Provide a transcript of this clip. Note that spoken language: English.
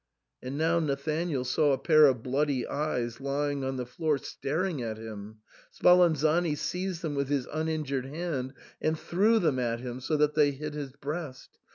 And now Nathanael saw a pair of bloody eyes lying on the floor staring at him ; Spalan zani seized them with his uninjured hand and threw them at him, so that they hit his breast.